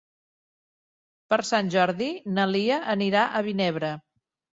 Per Sant Jordi na Lia anirà a Vinebre.